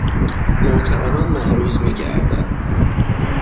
محترما معروض میگردد